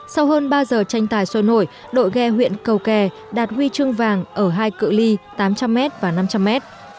sau hơn ba giờ tranh tài sôi nổi đội ghe huyện cầu kè đạt huy chương vàng ở hai cự li tám trăm linh m và năm trăm linh m